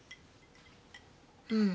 うん。